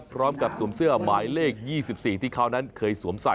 สวมเสื้อหมายเลข๒๔ที่เขานั้นเคยสวมใส่